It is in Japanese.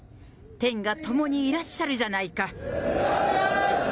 天が共にいらっしゃるじゃないか。